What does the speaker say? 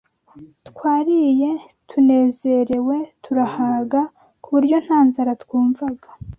Twariye tunezerewe, turahaga, ku buryo nta nzara twumvaga